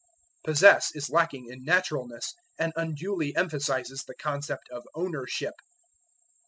Possess is lacking in naturalness and unduly emphasizes the concept of ownership.